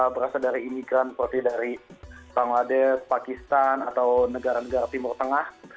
berasal dari imigran seperti dari bangladesh pakistan atau negara negara timur tengah